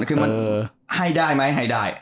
คือมันให้ได้ไหมให้ได้